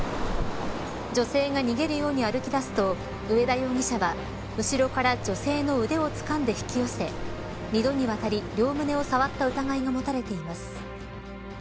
女性が逃げるように歩き出すと上田容疑者は後ろから女性の腕をつかんで引き寄せ２度にわたり両胸を触った疑いが持たれています。